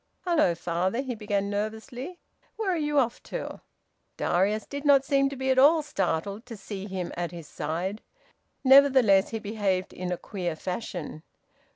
"Hello, father!" he began nervously. "Where are you off to?" Darius did not seem to be at all startled to see him at his side. Nevertheless he behaved in a queer fashion.